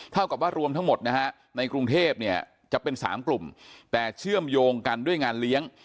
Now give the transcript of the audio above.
เท่ากับว่ารวมทั้งหมดนะฮะในกรุงเทพเนี่ยจะเป็น๓กลุ่มแต่เชื่อมโยงกันด้วยงานเลี้ยง